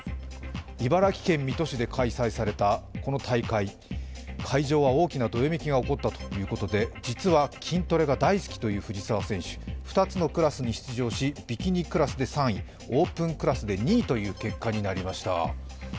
茨城県水戸市で開催されたこの大会、会場は大きなどよめきが起こったということで実は筋トレが大好きという藤澤選手、２つのクラスに出場しビキニクラスで３位、オープンクラスで２位という結果になりました。